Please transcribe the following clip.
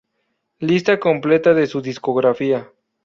Lista completa de su discografía.